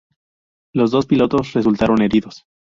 Los dos pilotos resultaron heridos.